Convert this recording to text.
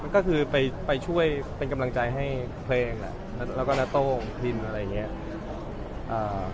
ก็คือไปช่วยเป็นกำลังไจให้เพรงแล้วก็นะโตกพลินอะไรอย่างเงี้ย